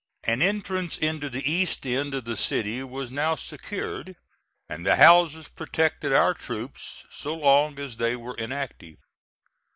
An entrance into the east end of the city was now secured, and the houses protected our troops so long as they were inactive.